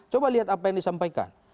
coba lihat apa yang disampaikan